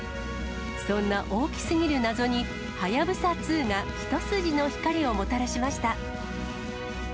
そんな大きすぎる謎に、はやぶさ２が一筋の光をもたらしました。